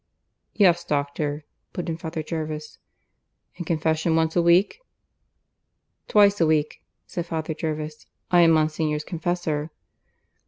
"Yes, doctor," put in Father Jervis. "And confession once a week?" "Twice a week," said Father Jervis. "I am Monsignor's confessor."